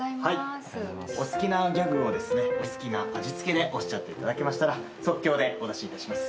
お好きなギャグをお好きな味付けでおっしゃっていただけましたら即興でお出しいたします。